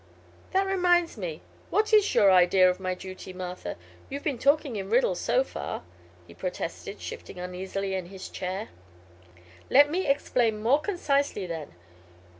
"That reminds me. What is your idea of my duty, Martha? You've been talking in riddles, so far," he protested, shifting uneasily in his chair. "Let me explain more concisely, then.